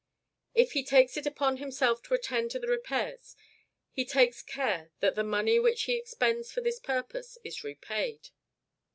If he takes it upon himself to attend to the repairs, he takes care that the money which he expends for this purpose is repaid.